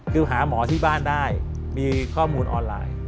คือหาหมอที่บ้านได้มีข้อมูลออนไลน์